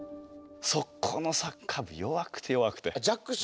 そこのサッカー部弱くて弱くて。